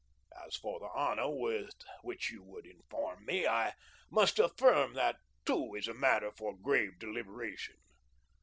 As for the honour with which you would inform me, I must affirm that that, too, is a matter for grave deliberation.